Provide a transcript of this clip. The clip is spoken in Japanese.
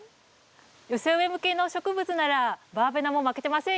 寄せ植え向けの植物ならバーベナも負けてませんよ。